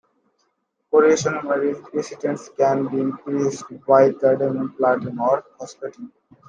Corrosion-resistance can be increased by cadmium plating or phosphating.